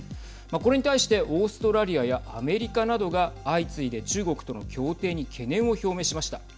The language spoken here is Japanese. これに対してオーストラリアやアメリカなどが相次いで中国との協定に懸念を表明しました。